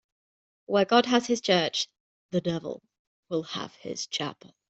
Where God has his church, the devil will have his chapel.